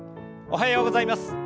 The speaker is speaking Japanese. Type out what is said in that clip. おはようございます。